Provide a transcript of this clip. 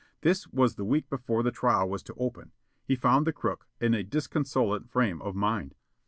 This was the week before the trial was to open. He found the crook in a disconsolate frame of mind.